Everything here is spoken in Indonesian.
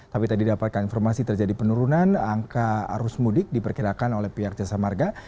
tapi tadi dapatkan informasi terjadi penurunan angka arus mudik diperkirakan oleh pihak jasa marga